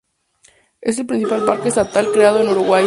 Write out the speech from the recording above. Es el primer parque estatal creado en Uruguay.